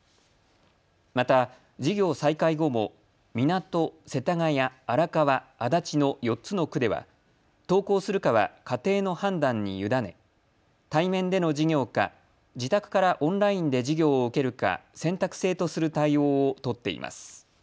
また、授業再開後も港、世田谷、荒川、足立の４つのの区では、登校するかは家庭の判断に委ね対面での授業か、自宅からオンラインで授業を受けるか、選択制とする対応を取っています。